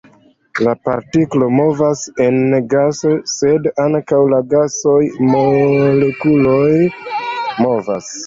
La partiklo movas en gaso, sed ankaŭ la gasaj molekuloj movas.